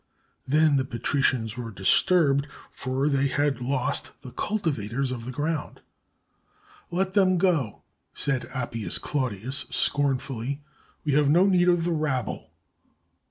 Then the patricians were disturbed, for they had lost the cultivators of the ground. "Let them go," said Ap pius Claudius scornfully; "we have no need of the rab ble."